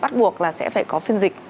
bắt buộc là sẽ phải có phiên dịch